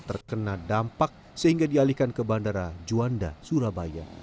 terkena dampak sehingga dialihkan ke bandara juanda surabaya